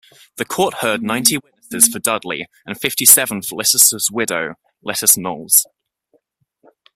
The court heard ninety witnesses for Dudley and fifty-seven for Leicester's widow, Lettice Knollys.